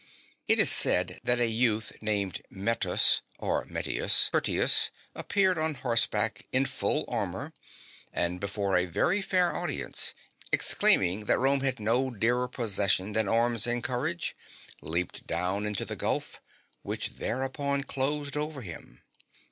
It is said that a youth named Mettus (or Mettius) Curtius appeared on horseback in full ai mour, and before a very fair audience, exclaiming that Rome had no dearer possession than arms and courage, leaped down into the gulf, which thereupon closed over him.